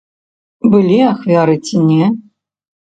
Былі ахвяры ці не?